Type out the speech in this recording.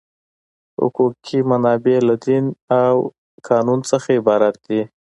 حقوقي منابع له دین او قانون څخه عبارت دي.